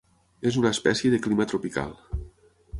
És una espècie de clima tropical.